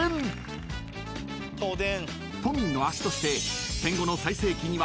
［都民の足として戦後の］